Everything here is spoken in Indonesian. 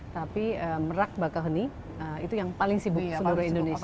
tapi merak bakahuni itu yang paling sibuk seluruh indonesia